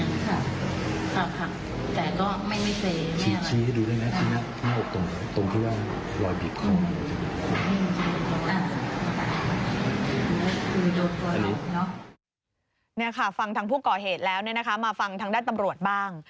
นี่ค่ะฟังทางผู้ก่อเหตุแล้วเนี่ยนะคะมาฟังทางด้านตำรวจบ้าง